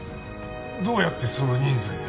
どうやってその人数に？